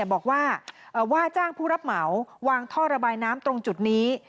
บอกว่าว่าจ้างผู้รับเหมาวางท่อระบายน้ำตรงจุดนี้